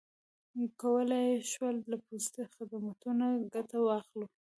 کولای یې شول له پوستي خدمتونو ګټه واخلي.